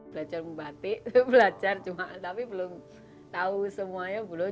belajar membatik belajar cuma tapi belum tahu semuanya belum